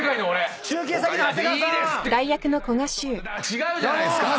違うじゃないですか！